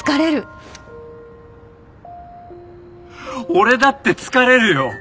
俺だって疲れるよ！